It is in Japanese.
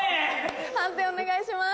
判定お願いします。